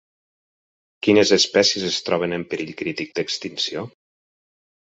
Quines espècies es troben en perill crític d'extinció?